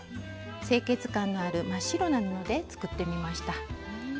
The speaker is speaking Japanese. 清潔感のある真っ白な布で作ってみました。